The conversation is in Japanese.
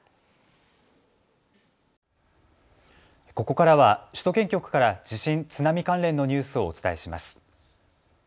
ここからは首都圏局から地震・津波関連のニュースをお伝えします。